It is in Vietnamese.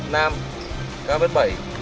nam cao vấn bảy khoảng ba mươi tuổi